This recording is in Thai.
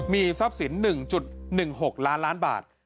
มีทรัพย์สิน๑๑๖ล้านล้านบาท